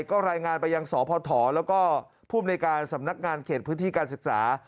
ก็รายงานไปยังสพแล้วก็ภูมิในการสำนักงานเขตพื้นที่การศึกษา